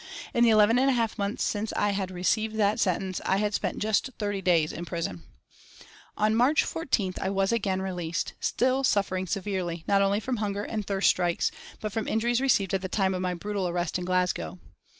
In the eleven and a half months since I had received that sentence I had spent just thirty days in prison. On March 14th I was again released, still suffering severely, not only from the hunger and thirst strike, but from injuries received at the time of my brutal arrest in Glasgow.